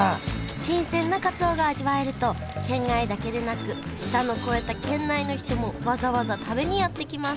新鮮なかつおが味わえると県外だけでなく舌の肥えた県内の人もわざわざ食べにやって来ます